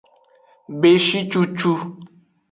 Beshi cucu.